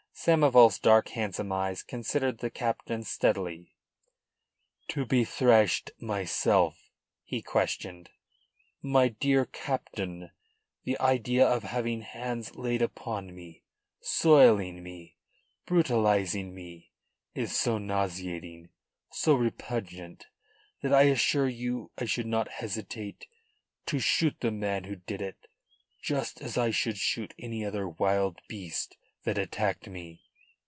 Samoval's dark, handsome eyes considered the captain steadily. "To be thrashed myself?" he questioned. "My dear Captain, the idea of having hands laid upon me, soiling me, brutalising me, is so nauseating, so repugnant, that I assure you I should not hesitate to shoot the man who did it just as I should shoot any other wild beast that attacked me.